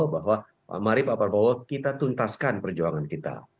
bahwa pak mari pak prabowo kita tuntaskan perjuangan kita